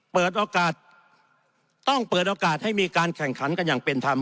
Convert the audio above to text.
เปิดโอกาสต้องเปิดโอกาสให้มีการแข่งขันกันอย่างเป็นธรรม